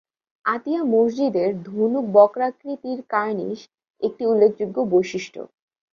আতিয়া মসজিদের ধনুকবক্রাকৃতির কার্নিশ একটি উল্লেখযোগ্য বৈশিষ্ট্য।